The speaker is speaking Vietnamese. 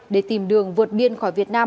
để tìm đường vượt biên khỏi việt nam